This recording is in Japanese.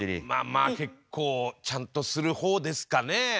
まあまあ結構ちゃんとする方ですかね。